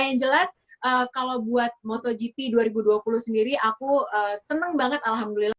yang jelas kalau buat motogp dua ribu dua puluh sendiri aku senang banget alhamdulillah